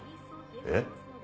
えっ？